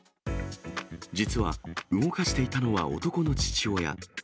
実は動かしていたのは、男の父親。